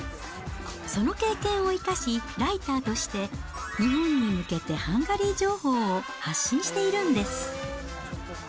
その経験を生かし、ライターとして日本に向けてハンガリー情報を発信しているんです。